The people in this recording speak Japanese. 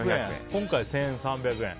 今回１３００円。